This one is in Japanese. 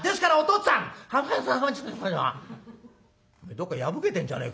「どっか破けてんじゃねえかお前。